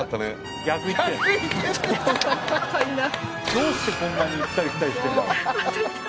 どうしてこんなに行ったり来たりしてるんだろう？